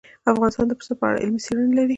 افغانستان د پسه په اړه علمي څېړنې لري.